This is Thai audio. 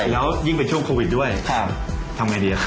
แล้วยิ่งเป็นช่วงโควิดด้วยทำไงดีครับ